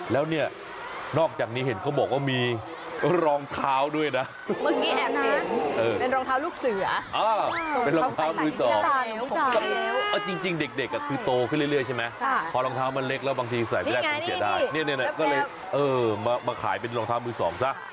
และนอกจากนี้เห็นเขาบอกว่ามีรองเท้าด้วยนะ